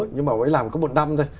nhưng mà phải làm có một năm thôi